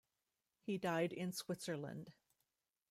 He died in Switzerland.